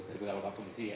tapi kalau pak polisi ya